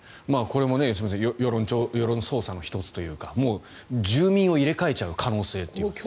これも良純さん世論操作の１つというか住民を入れ替えちゃう可能性という。